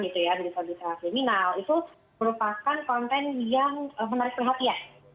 dari sudut pandang sosial ke terminal itu merupakan konten yang menarik perhatian